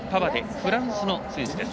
フランスの選手です。